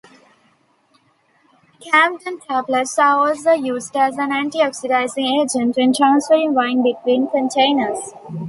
Campden tablets are also used as an anti-oxidizing agent when transferring wine between containers.